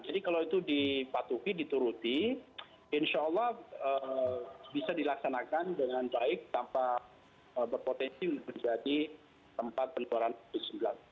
jadi kalau itu dipatuhi dituruti insya allah bisa dilaksanakan dengan baik tanpa berpotensi menjadi tempat penularan covid sembilan belas